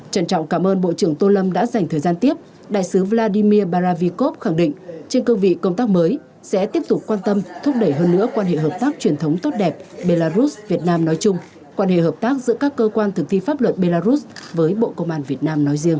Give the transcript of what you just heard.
trân trọng cảm ơn bộ trưởng tô lâm đã dành thời gian tiếp đại sứ vladimir baravikov khẳng định trên cương vị công tác mới sẽ tiếp tục quan tâm thúc đẩy hơn nữa quan hệ hợp tác truyền thống tốt đẹp belarus việt nam nói chung quan hệ hợp tác giữa các cơ quan thực thi pháp luật belarus với bộ công an việt nam nói riêng